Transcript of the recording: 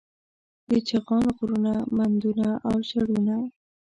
د چغان غرونه، مندونه او چړونه